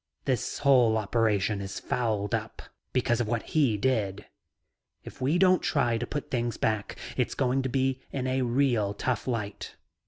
This whole operation is fouled up because of what he did. If we don't try to put things back, it's going to be in a real tough light.